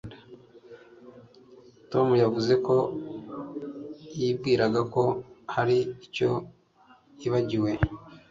Tom yavuze ko yibwiraga ko hari icyo yibagiwe